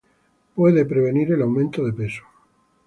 puede prevenir el aumento de peso